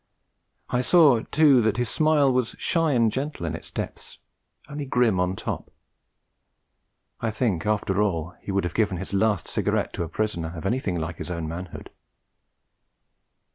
I saw, too, that his smile was shy and gentle in its depths, only grim on top. I think, after all, he would have given his last cigarette to a prisoner of anything like his own manhood.